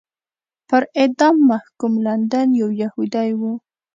پر اعدام محکوم لندن یو یهودی و.